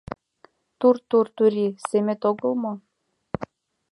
Тур-тур турий семет огыл мо?